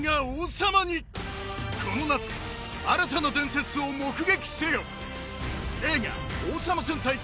この夏新たな伝説を目撃せよ！